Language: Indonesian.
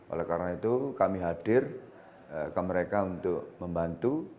oleh karena itu kami hadir ke mereka untuk membantu